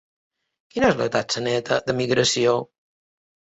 Quina és la taxa neta de migració?